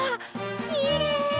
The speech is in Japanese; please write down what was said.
きれい！